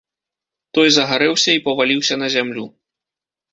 Той загарэўся і паваліўся на зямлю.